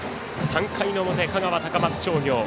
３回の表、香川、高松商業。